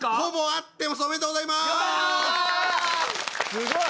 すごい。